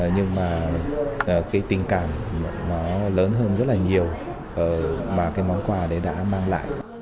nhưng mà cái tình cảm nó lớn hơn rất là nhiều mà cái món quà đấy đã mang lại